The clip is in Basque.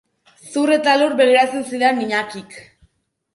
Zur eta lur begiratzen zidan Iñakik.